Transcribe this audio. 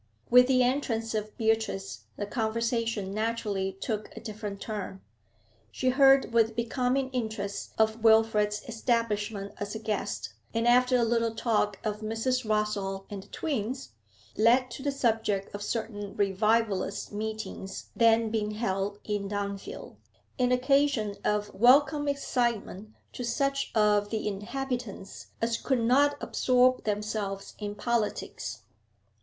With the entrance of Beatrice the conversation naturally took a different turn. She heard with becoming interest of Wilfrid's establishment as a guest, and, after a little talk of Mrs. Rossall and the twins, led to the subject of certain 'revivalist' meetings then being held in Dunfield, an occasion of welcome excitement to such of the inhabitants as could not absorb themselves in politics.